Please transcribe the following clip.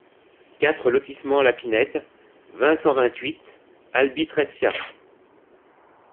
quatre lotissement La Pinède, vingt, cent vingt-huit, Albitreccia